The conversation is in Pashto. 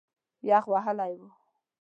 یخ وهلی و.